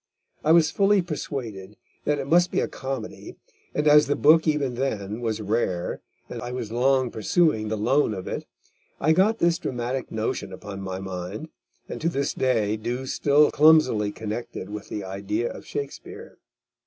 I was fully persuaded that it must be a comedy, and as the book even then was rare, and as I was long pursuing the loan of it, I got this dramatic notion upon my mind, and to this day do still clumsily connect it with the idea of Shakespeare.